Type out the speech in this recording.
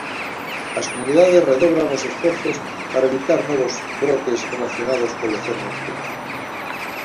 As comunidades redobran os esforzos para evitar novos brotes relacionados co lecer nocturno.